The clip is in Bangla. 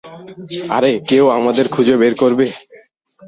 আরে, কেউ আমাদের খুঁজে বের করবে।